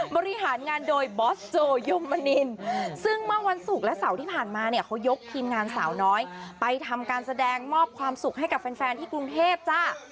บริหารงานโดยบอสโจยมมนินซึ่งเมื่อวันศุกร์และเสาร์ที่ผ่านมาเนี่ยเขายกทีมงานสาวน้อยไปทำการแสดงมอบความสุขให้กับแฟนที่กรุงเทพจ้า